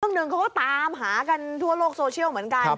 หนึ่งเขาก็ตามหากันทั่วโลกโซเชียลเหมือนกัน